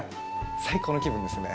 最高の気分ですね。